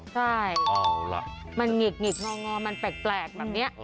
ใช่มันหงิกหงิกงอมันแปลกแบบเนี้ย